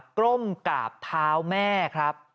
ก้มกราบเท้าแม่ครับ